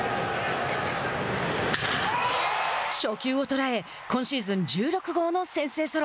初球を捉え今シーズン１６号の先制ソロ。